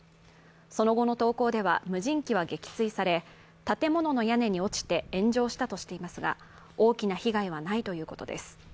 その後の投稿では無人機は撃墜され建物の屋根に落ちて炎上したとしていますが、大きな被害はないということです。